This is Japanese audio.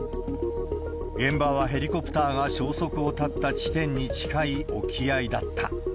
現場はヘリコプターが消息を絶った地点に近い沖合だった。